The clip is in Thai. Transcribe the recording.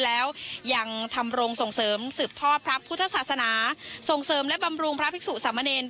แล้วยังทำโรงส่งเสริมสืบทอดพระพุทธศาสนาส่งเสริมและบำรุงพระภิกษุสามเนร